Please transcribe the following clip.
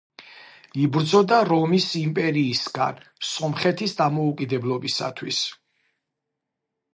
იბრძოდა რომის იმპერიისაგან სომხეთის დამოუკიდებლობისათვის.